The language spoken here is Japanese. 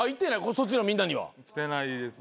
そっちのみんなには。来てないですね。